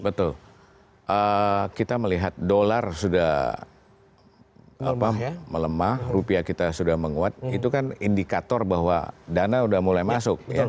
betul kita melihat dolar sudah melemah rupiah kita sudah menguat itu kan indikator bahwa dana sudah mulai masuk